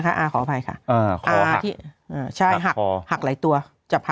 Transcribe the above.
มันเป็นใสลักษณะหรือเปล่าคะ